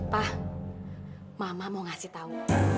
pak mama mau ngasih tahu